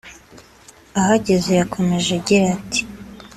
Ahageze yakomeje agira ati